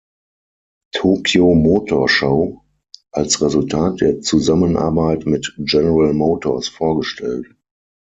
Tokyo Motor Show, als Resultat der Zusammenarbeit mit General Motors, vorgestellt.